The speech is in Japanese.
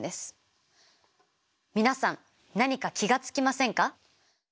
皆さん何か気が付きませんか？